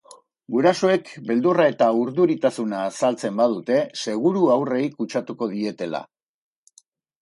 Gurasoek beldurra eta urduritasuna azaltzen badute, seguru haurrei kutsatuko dietela.